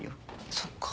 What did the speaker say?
そっか。